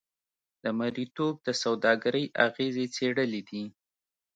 د مریتوب د سوداګرۍ اغېزې څېړلې دي.